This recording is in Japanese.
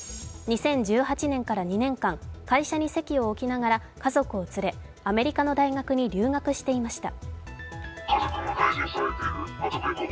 ２０１８年から２年間、会社に籍を置きながら家族を連れ、アメリカの大学に留学していました。